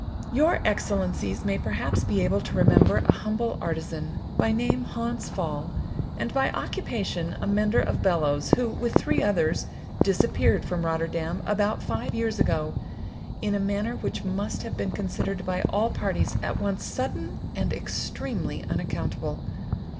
"Your Excellencies may perhaps be able to remember an humble artizan, by name Hans Pfaall, and by occupation a mender of bellows, who, with three others, disappeared from Rotterdam, about five years ago, in a manner which must have been considered by all parties at once sudden, and extremely unaccountable.